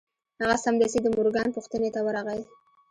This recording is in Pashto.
هغه سمدستي د مورګان پوښتنې ته ورغی